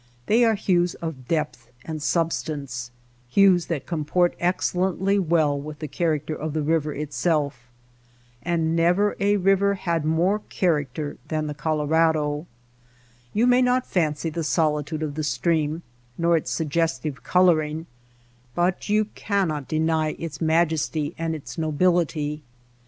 They are hues of depth and substance — hues that comport excellently well with the character of the river itself. And never a river had more THE SILENT RIVER 73 character than the Colorado. You may not fancy the solitude of the stream nor its sugges tive coloring, but you cannot deny its majesty and its nobility.